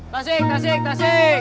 tansik tansik tansik